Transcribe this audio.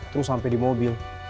terus sampai di mobil